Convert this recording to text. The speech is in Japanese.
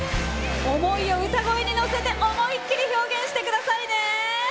思いを歌声にのせて思いっきり表現してくださいね。